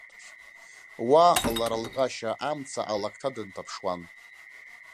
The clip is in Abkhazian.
Уа, лара лҳәашьа, амца алакҭа дынҭаԥшуан.